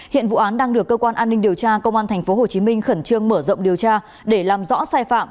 hiện vụ án đang được cơ quan an ninh điều tra công an tp hcm khẩn trương mở rộng điều tra để làm rõ sai phạm